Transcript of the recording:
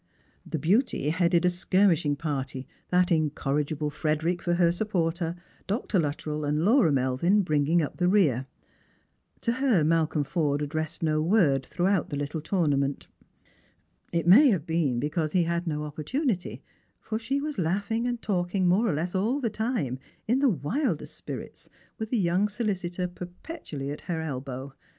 The Beauty headed a skirmish ing party, that incorrigible Frederick for her supporter, Df Xiuttrell and Laura Melviu bringing up the rear. To hei Malcolm Forde addressed no word throughout the little tonma* ment. It may have been because he had no opportunity ; foi she was laughing and talking more or leas all the time, in the ■wildest spirits, with the young solicitor perpetually at her elbow.